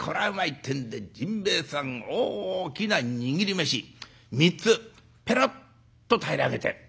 ってんで甚兵衛さん大きな握り飯３つぺろっと平らげて。